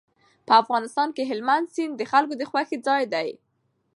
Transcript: په افغانستان کې هلمند سیند د خلکو د خوښې ځای دی.